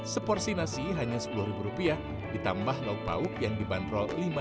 seporsi nasi hanya sepuluh rupiah ditambah lauk bau yang dibanderol lima sampai sepuluh rupiah